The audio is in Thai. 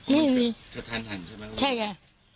นี่มีใช่ไง